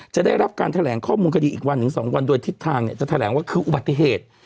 จะได้รับการแถลงข้อมูลคดีอีกวันถึง๒วันโดยทิศทางจะแถลงว่าคืออุบัติเหตุ